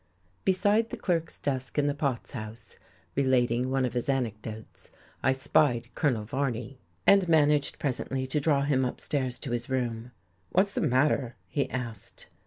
Beside the clerk's desk in the Potts House, relating one of his anecdotes, I spied Colonel Varney, and managed presently to draw him upstairs to his room. "What's the matter?" he asked.